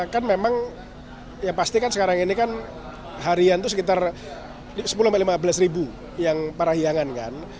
kan memang ya pasti kan sekarang ini kan harian itu sekitar sepuluh lima belas ribu yang parahiangan kan